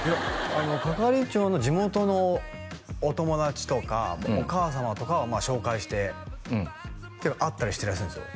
あの係長の地元のお友達とかお母様とかは紹介して会ったりしてるらしいんですよ